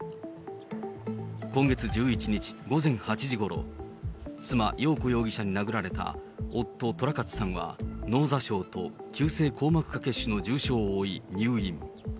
今月１１日午前８時ごろ、妻、よう子容疑者に殴られた夫、寅勝さんは脳挫傷と急性硬膜下血腫の重傷を負い、入院。